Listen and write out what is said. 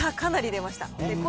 差はかなり出ました。